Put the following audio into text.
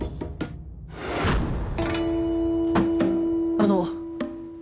あの。